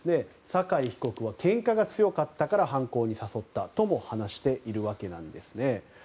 酒井被告はけんかが強かったから犯行に誘ったとも話しているわけなんですね。